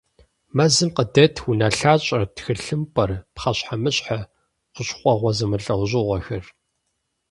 Мэзым къыдет унэлъащӀэр, тхылъымпӀэр, пхъэщхьэмыщхьэ, хущхъуэгъуэ зэмылӀэужьыгъуэхэр.